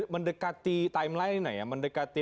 mendekati timeline ini ya mendekati